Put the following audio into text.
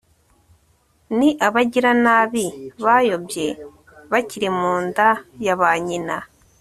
ni abagiranabi bayobye bakiri mu nda ya ba nyina